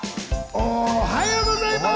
おはようございます！